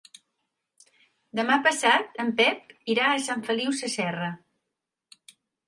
Demà passat en Pep irà a Sant Feliu Sasserra.